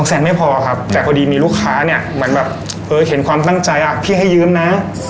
๒แสนไม่พอครับแต่พอดีมีลูกค้าเนี่ยเห็นความตั้งใจพี่ให้ยืมนะ